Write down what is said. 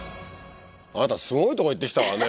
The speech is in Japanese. あなたすごいとこ行ってきたわね